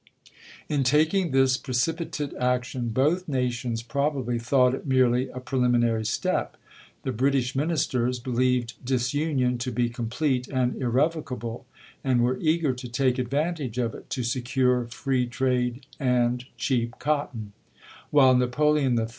In taking this precipitate action, both nations probably thought it merely a preliminary step; the British ministers believed disunion to be com plete and irrevocable, and were eager to take ad vantage of it to secure free trade and cheap cotton ; while Napoleon III.